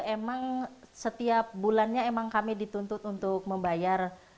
emang setiap bulannya emang kami dituntut untuk membayar